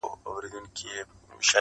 • زموږ د پلار او دنیکه په مقبره کي..